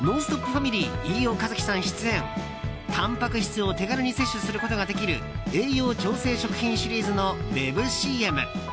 ファミリー飯尾和樹さん出演、たんぱく質を手軽に摂取することができる栄養調整食品シリーズのウェブＣＭ。